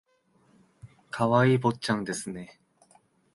可愛い坊ちゃんですね